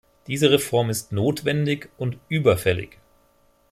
Diese Reform ist notwendig und überfällig.